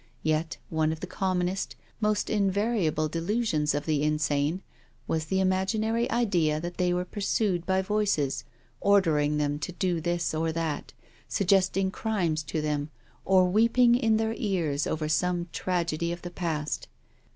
Yet one of the commonest, most invariable delusions of the insane was the imagi nary idea that they were pursued by voices, order ing them to do this or that, suggesting crimes to them or weeping in their ears over some tragedy of the past.